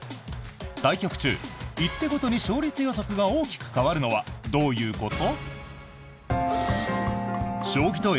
対局中、１手ごとに勝率予測が大きく変わるのはどういうこと？